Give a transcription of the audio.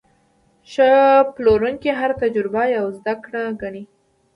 ښه پلورونکی هره تجربه یوه زده کړه ګڼي.